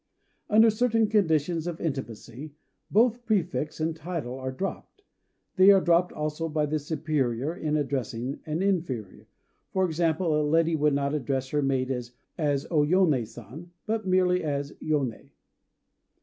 Under certain conditions of intimacy, both prefix and title are dropped. They are dropped also by the superior in addressing an inferior; for example, a lady would not address her maid as "O Yoné San," but merely as "Yoné."